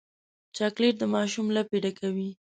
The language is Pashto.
چاکلېټ د ماشوم لپې ډکوي.